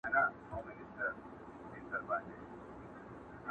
دا به ټوله حاضریږي په میدان کي!!